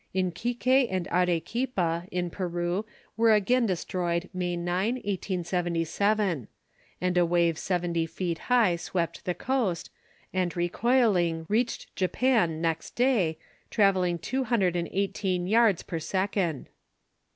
Iquique and Arequipa, in Peru, were again destroyed May 9, 1877; and a wave seventy feet high swept the coast, and recoiling reached Japan next day, travelling two hundred and eighteen yards per second.